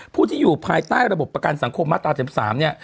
ผู้ที่อยู่ภายใต้ระบบประกันสังคมมาตรา๗๓เนี่ย